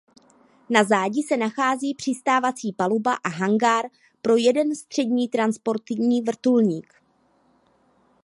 Na zádi se nachází přistávací paluba a hangár pro jeden střední transportní vrtulník.